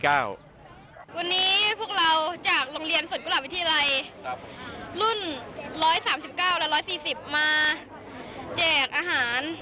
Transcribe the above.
วันนี้พวกเราจากโรงเรียนสวนกุหลาบวิทยาลัยรุ่น๑๓๙และ๑๔๐มาแจกอาหาร